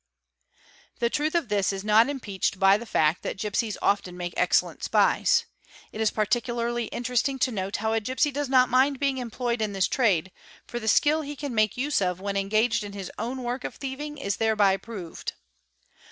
j The truth of this is not impeached by the fact that gipsies often make excellent spies.. It is particularly interesting to note how a gipsy does not mind being employed in this trade, for the skill he can make use of when engaged in his own work of thieving is thereby proved.